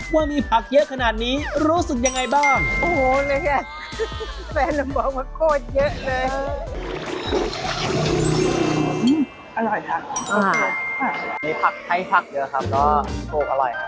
มีไพร่ผักเยอะครับแล้วโฟกอร่อยครับ